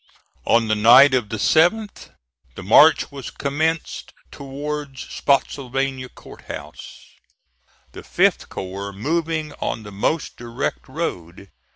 On the night of the 7th, the march was commenced towards Spottsylvania Court House, the fifth corps moving on the most direct road.